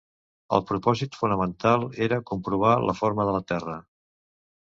El propòsit fonamental era comprovar la forma de la Terra.